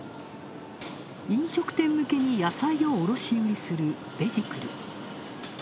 飲食店向けに野菜を卸売りするベジクル。